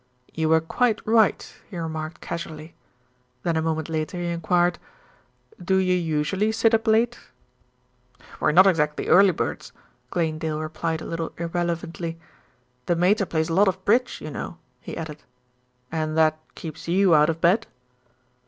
"You were quite right," he remarked casually. Then a moment later he enquired: "Do you usually sit up late?" "We're not exactly early birds," Glanedale replied a little irrelevantly. "The Mater plays a lot of bridge, you know," he added. "And that keeps you out of bed?"